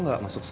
loh ah sini